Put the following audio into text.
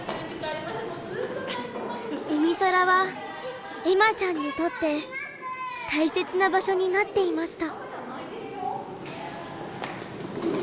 うみそらは恵麻ちゃんにとって大切な場所になっていました。